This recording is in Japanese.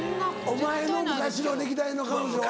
お前の昔の歴代の彼女は。